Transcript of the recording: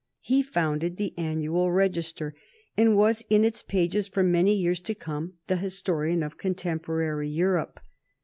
He founded the "Annual Register," and was in its pages for many years to come the historian of contemporary Europe.